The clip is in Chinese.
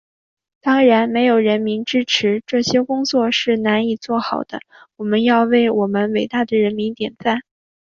当然，没有人民支持，这些工作是难以做好的，我要为我们伟大的人民点赞。